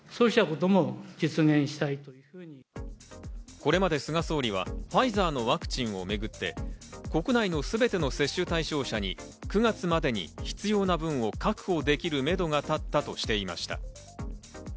これまで菅総理はファイザーのワクチンをめぐって国内のすべての接種対象者に９月までに必要な分を確保できるめどが立ったとしていました。